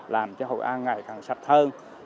làm cho hội an ngày càng sạch hơn